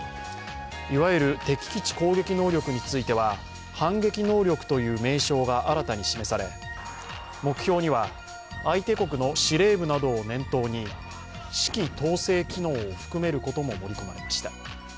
いわゆる敵基地攻撃能力については反撃能力という名称が新たに示され、目標には相手国の司令部などを念頭に指揮統制機能を含めることも盛り込まれました。